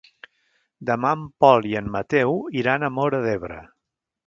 Demà en Pol i en Mateu iran a Móra d'Ebre.